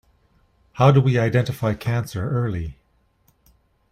How do we identify cancer early?